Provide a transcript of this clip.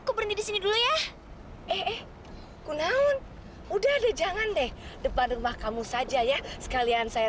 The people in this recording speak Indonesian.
aku berhenti di sini dulu ya eh eh kunaun udah deh jangan deh depan rumah kamu saja ya sekalian saya